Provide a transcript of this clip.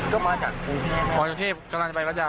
ก็มาจากกรุงเทพฯอ๋อจากเทพฯกำลังจะไปประจา